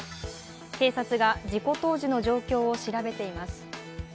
警察が事故当時の状況を調べています。